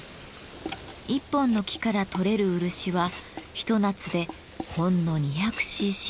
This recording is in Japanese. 一本の木から採れる漆はひと夏でほんの２００ｃｃほど。